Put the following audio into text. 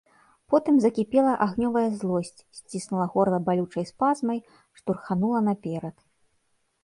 Потым закіпела агнёвая злосць, сціснула горла балючай спазмай, штурханула наперад.